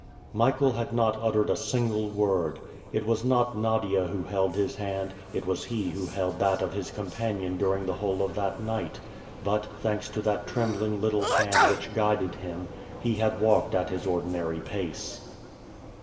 Michael had not uttered a single word. It was not Nadia who held his hand, it was he who held that of his companion during the whole of that night; but, thanks to that trembling little hand which guided him, he had walked at his ordinary pace.